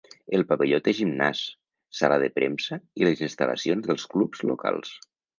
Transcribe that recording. El pavelló té gimnàs, sala de premsa i les instal·lacions dels clubs locals.